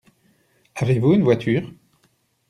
Avez-vous une voiture?